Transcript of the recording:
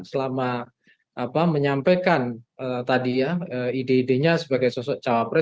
selama menyampaikan tadi ya ide idenya sebagai sosok cawapres